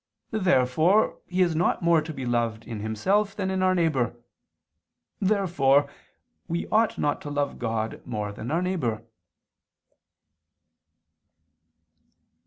Therefore He is not more to be loved in Himself than in our neighbor. Therefore we ought not to love God more than our neighbor.